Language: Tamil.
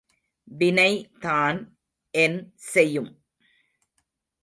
வினை தான் என் செயும்?